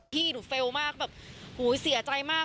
พี่หนูเฟลล์มากแบบหูยเสียใจมาก